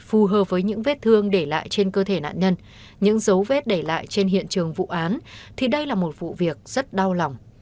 phù hợp với những vết thương để lại trên cơ thể nạn nhân những dấu vết để lại trên hiện trường vụ án thì đây là một vụ việc rất đau lòng